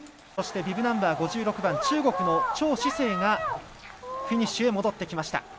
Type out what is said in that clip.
そして、ビブナンバー５６番中国の趙志清がフィニッシュへ戻ってきました。